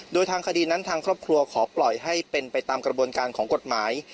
โดยทางคดีนั้นทางครอบครัวขอปล่อยให้เป็นไปตามกระบวนการของกฎหมาย